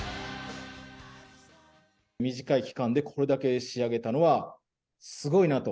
短い期間でこれだけ仕上げたのはすごいなと。